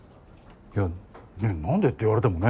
いや何でって言われてもね。